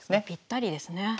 ぴったりですね。